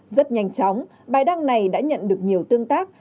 rất nhanh chóng bài đăng này đã nhận được nhiều tương tác